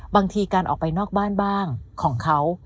บางทีการออกไปนอกบ้านบ้างของเขา